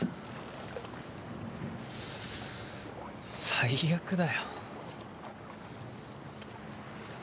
最悪だよ。